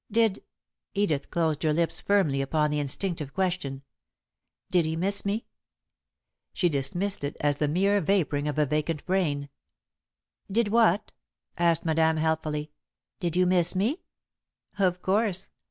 "Did " Edith closed her lips firmly upon the instinctive question, "Did he miss me?" She dismissed it as the mere vapouring of a vacant brain. "Did what?" asked Madame, helpfully. "Did you miss me?" "Of course.